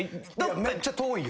めっちゃ遠いよ。